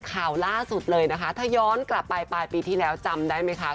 ข่าวล่าสุดเลยนะคะถ้าย้อนกลับไปปลายปีที่แล้วจำได้ไหมคะ